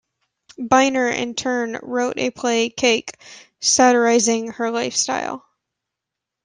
Bynner in turn wrote a play, "Cake", satirizing her lifestyle.